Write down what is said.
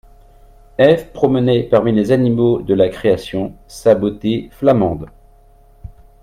Eve promenait parmi les animaux de la création sa beauté flamande.